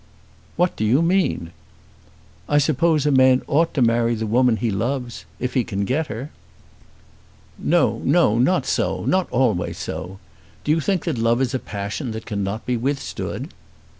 "What do you mean?" "I suppose a man ought to marry the woman he loves, if he can get her." "No; no; not so; not always so. Do you think that love is a passion that cannot be withstood?"